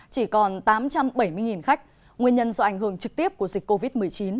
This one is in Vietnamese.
chỉ còn tám trăm bảy mươi khách nguyên nhân do ảnh hưởng trực tiếp của dịch covid một mươi chín